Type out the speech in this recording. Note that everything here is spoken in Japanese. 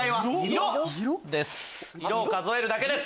色を数えるだけです！